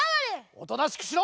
おとなしくしろ！